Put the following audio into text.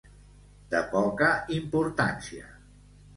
De poca importància.